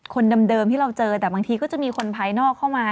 คนเดิมที่เราเจอแต่บางทีก็จะมีคนภายนอกเข้ามา